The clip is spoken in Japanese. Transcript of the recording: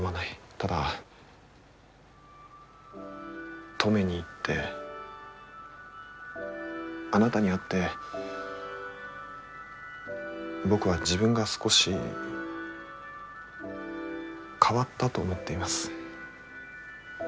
ただ登米に行ってあなたに会って僕は自分が少し変わったと思っています。